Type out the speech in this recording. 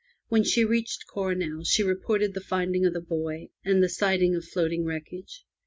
When she reached Coronel she reported the finding of the buoy, and the sighting of floating wreckage.